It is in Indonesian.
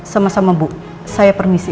sama sama bu saya permisi